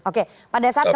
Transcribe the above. oke pada saat kemarin